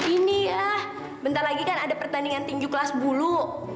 ini ah bentar lagi kan ada pertandingan tinju kelas bulu